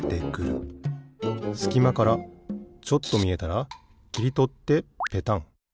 すきまからちょっとみえたらきりとってペタン。